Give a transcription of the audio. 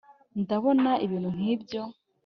ndabona ibintu nkibyo.